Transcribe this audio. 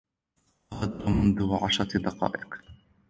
غادر منذ عشرة دقائق.